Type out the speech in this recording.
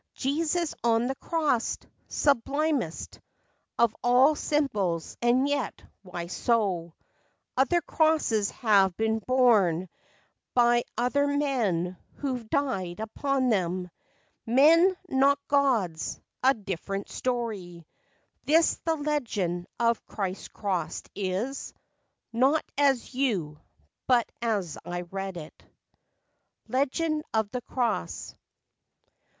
Jesus on the cross! sublimest Of all symbols; and yet, why so ? Other crosses have been borne by 9 6 FACTS AND FANCIES. Other men, who've died upon them; Men, not gods—a different story. This the legend of Christ's cross is— Not as you, but as I read it. LEGEND OF THE CROSS.